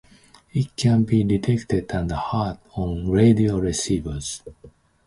It can be detected and heard on radio receivers.